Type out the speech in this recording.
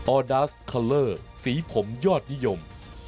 อดาสคัลเลอร์สีผมยอดนิยม